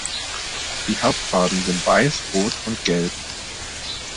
Die Hauptfarben sind weiß, rot und gelb.